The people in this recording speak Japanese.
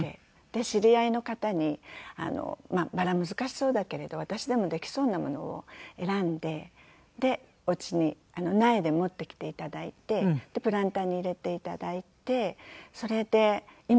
で知り合いの方にバラ難しそうだけれど私でもできそうなものを選んででお家に苗で持ってきて頂いてプランターに入れて頂いてそれで今１１種類あります。